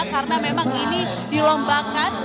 karena memang ini dilombakan